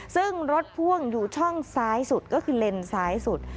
ซึ่งรถพ่วงอยู่ช่องซ้ายสุดก็คือเลนซ้ายสุด